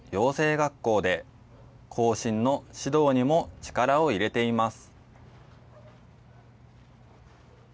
学校で、後進の指導にも力を入れています。